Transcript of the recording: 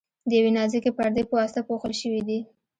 د یوې نازکې پردې په واسطه پوښل شوي دي.